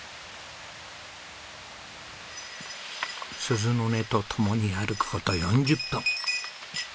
鈴の音とともに歩くこと４０分。